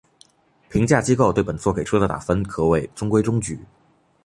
评价机构对本作给出的打分可谓中规中矩。